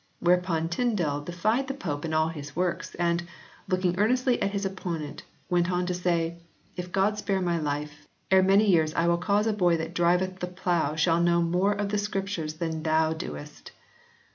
Whereupon Tyndale defied the Pope and all his works, and, looking earnestly at his opponent, went on to say "If God spare my life, ere many years I will cause a boy that driveth the plough shall know more of the Scriptures than thou doest."